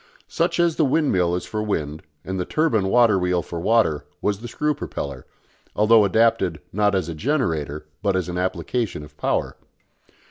Such as the windmill is for wind and the turbine water wheel for water was the screw propeller, although adapted, not as a generator, but as an application of power.